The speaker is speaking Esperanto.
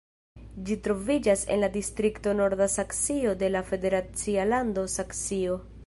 Ĝi troviĝas en la distrikto Norda Saksio de la federacia lando Saksio.